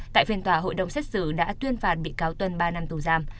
tại phiên tòa hội đồng xét xử đã tuyên phạt bị cáo tuân ba năm tù giam